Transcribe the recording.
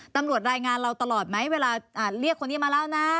ตำรวจรายงานเราตลอดไหมเวลาเรียกคนนี้มาเล่านะ